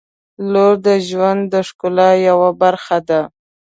• لور د ژوند د ښکلا یوه برخه ده.